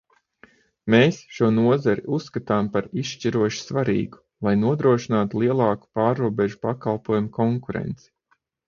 Mēs šo nozari uzskatām par izšķiroši svarīgu, lai nodrošinātu lielāku pārrobežu pakalpojumu konkurenci.